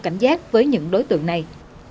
cảm giác với những đối tượng này